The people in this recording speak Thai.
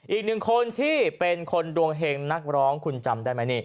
อีกหนึ่งคนที่เป็นคนดวงเห็งนักร้องคุณจำได้ไหมนี่